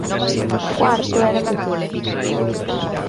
O cuarto era pequeno.